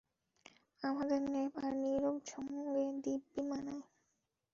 আমাদের নেপ আর নীরর সঙ্গে দিব্যি মানায়।